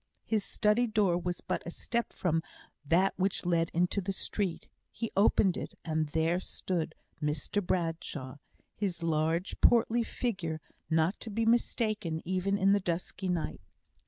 His study door was but a step from that which led into the street. He opened it, and there stood Mr Bradshaw; his large, portly figure not to be mistaken even in the dusky night.